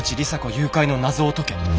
誘拐の謎を解け」。